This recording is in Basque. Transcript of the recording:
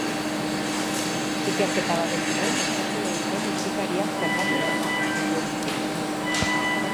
Ikerketa baten bidez aztertu nahi dute musikariak zergatik jarraitzen duen bizirik.